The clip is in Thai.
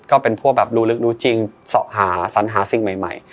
ก็เป็นพวกแบบรู้ลึกรู้จริงหาสัญหาสิ่งใหม่